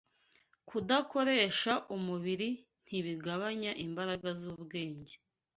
Kudakoresha umubiri ntibigabanya imbaraga z’ubwenge